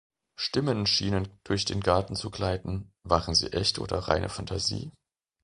Stimmen schienen durch den Garten zu gleiten, waren sie echt oder reine Fantasie?